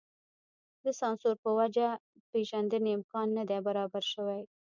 د سانسور په وجه پېژندنې امکان نه دی برابر شوی.